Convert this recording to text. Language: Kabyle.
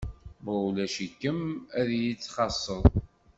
Ma ulac-ikem ad yi-txaṣṣeḍ.